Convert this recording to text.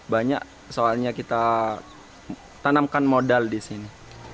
banyak soalnya kita tanamkan modal di sini